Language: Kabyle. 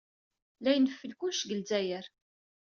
La ineffel kullec deg Lezzayer.